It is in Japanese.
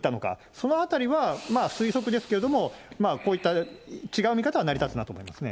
そのあたりは、推測ですけれども、こういった違う見方は成り立つなと思いますね。